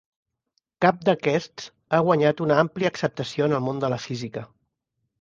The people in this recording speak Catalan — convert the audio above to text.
Cap d'aquests ha guanyat una àmplia acceptació en el món de la física.